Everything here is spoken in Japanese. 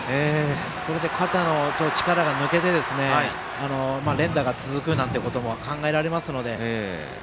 これで肩の力が抜けて連打が続くということも考えられますので。